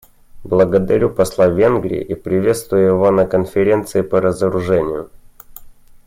Благодарю посла Венгрии и приветствую его на Конференции по разоружению.